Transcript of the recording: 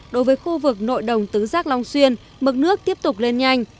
đối với khu vực nội đồng tứ giác long xuyên mực nước tiếp tục lên nhanh